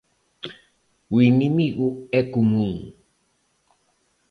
O inimigo é común.